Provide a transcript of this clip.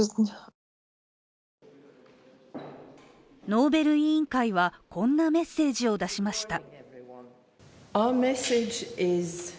ノーベル委員会はこんなメッセージを出しました。